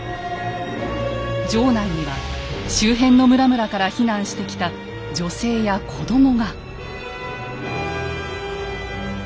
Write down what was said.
城内には周辺の村々から避難してきた女性や子どもが。